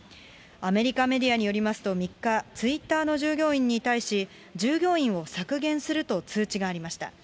アメリカメディアによりますと、３日、ツイッターの従業員に対し、従業員を削減すると通知がありました。